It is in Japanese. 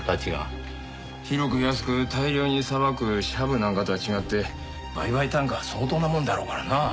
広く安く大量にさばくシャブなんかとは違って売買単価は相当なもんだろうからな。